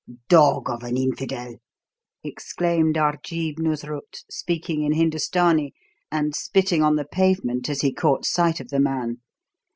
"Dog of an infidel!" exclaimed Arjeeb Noosrut, speaking in Hindustani, and spitting on the pavement as he caught sight of the man.